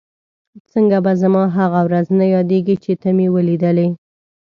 څنګه به زما هغه ورځ نه یادېږي چې ته مې ولیدلې؟